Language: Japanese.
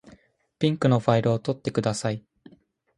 ピンクのファイルを取ってください。